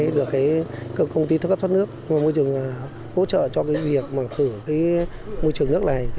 trong buổi hôm nay được công ty cấp thuốc nước môi trường hỗ trợ cho việc mở khử môi trường nước này